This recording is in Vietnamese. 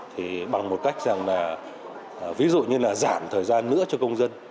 thì bằng một cách rằng là ví dụ như là giảm thời gian nữa cho công dân